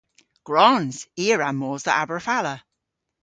Gwrons! I a wra mos dhe Aberfala.